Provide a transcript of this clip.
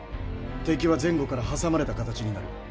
敵は前後から挟まれた形になる。